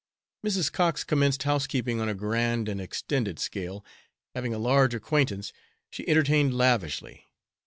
Mrs. Cox commenced housekeeping on a grand and extended scale, having a large acquaintance, she entertained lavishly.